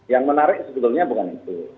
yang menarik sebetulnya bukan itu